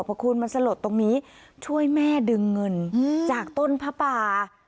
พอคุณมันสลดตรงนี้ช่วยแม่ดึงเงินจากต้นผ้าป่า